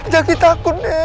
jaki takut nenek